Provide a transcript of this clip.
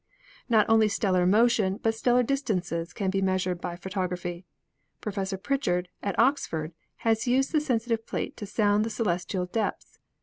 Not only stellar motion, but stellar distances, can be measured by photography. Professor Pritchard, at Ox ford, has used the sensitive plate to sound the celes tial depths.